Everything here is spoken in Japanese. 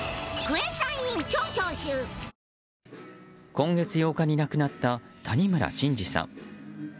今月８日に亡くなった谷村新司さん。